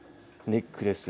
ネックレス